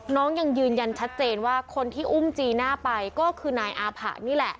ยังยืนยันชัดเจนว่าคนที่อุ้มจีน่าไปก็คือนายอาผะนี่แหละ